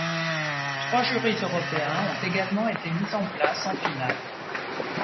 Trois jurys européens ont également été mis en place en finale.